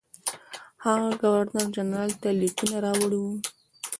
هغه ګورنرجنرال ته لیکونه راوړي وو.